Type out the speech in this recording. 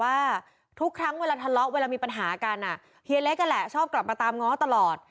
ว่าทุกครั้งเวลาทะเลาะเวลามีปัญหากันเฮียเล็กนั่นแหละชอบกลับมาตามง้อตลอด